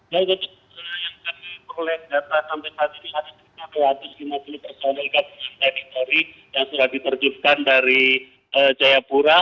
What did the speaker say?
ya pertama sekali saya ingin mengingatkan kepada para penjaga dan penjagaan yang sudah diteruskan dari jaya pura